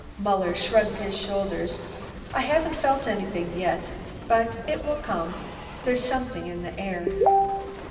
Muller shrugged his shoulders: "I haven't felt anything yet but it will come there's something in the air."